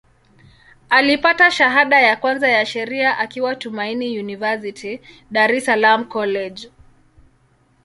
Alipata shahada ya kwanza ya Sheria akiwa Tumaini University, Dar es Salaam College.